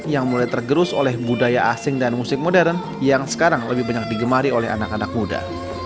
yang mulai tergerus oleh budaya asing dan musik modern yang sekarang lebih banyak digemari oleh anak anak muda